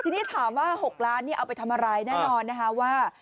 ทีนี้ถามว่า๖ล้านนี่เอาไปทำอะไรแน่นอนนะคะว่า